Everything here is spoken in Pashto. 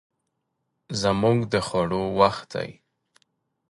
زموږ د خوړو وخت دی